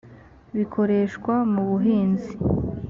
bikoreshwa mu buhinzi